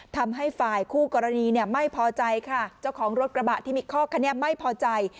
ทำให้ฝ่ายคู่กรณีเนี่ยไม่พอใจค่ะเจ้าของรถกระบะที่มีคอกคันนี้ไม่พอใจ